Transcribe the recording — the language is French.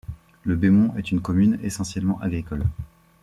Le Bémont est une commune essentiellement agricole.